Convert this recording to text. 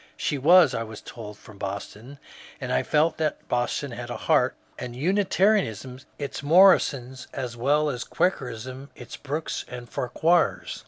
She was, I was told, from Boston, and I felt that Boston had a heart, and Unitarianism its Morrisons as well as Quakerism its Brookes and Farquhars.